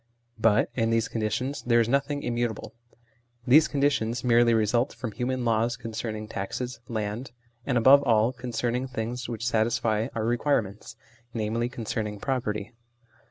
But in these conditions there is nothing immutable ; these conditions merely result from human laws concerning taxes, land, and, above all, concerning things which satisfy our requirements, i.e. concerning property.